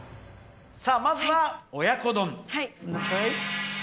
さあ、まずは親子丼。